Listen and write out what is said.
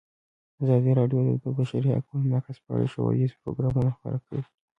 ازادي راډیو د د بشري حقونو نقض په اړه ښوونیز پروګرامونه خپاره کړي.